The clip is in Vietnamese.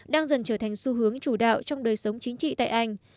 đang dần trở thành xu hướng chủ đạo trong đời sống chính trị tại anh